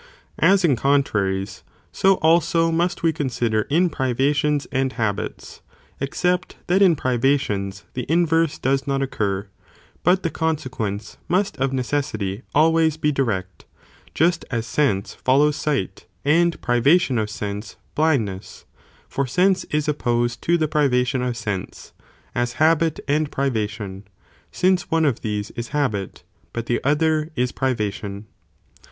i As in contraries,'so also must we consider in privations and habits,.except that in privations vations, their the inverse does not occur, but the consequence Κα δ. must of necessity always be direct, just as sense follows sight, and privation of sense, blindness, for sense is opposed to the privation of sense, as habit' and privation, since one of these is habit, but the other is privation.